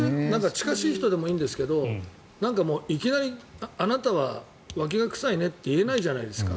近しい人でもいいんですがいきなり、あなたはわきが臭いねって言えないじゃないですか。